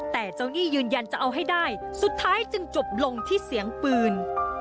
แต่เจ้าหนี้ยืนยันจะเอาให้ได้สุดท้ายจึงจบลงที่เสียงปืน